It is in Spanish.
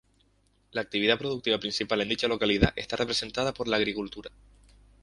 La actividad productiva principal en dicha localidad está representada por la agricultura.